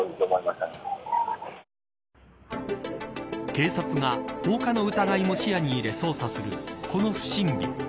警察が放火の疑いも視野に入れ捜査するこの不審火。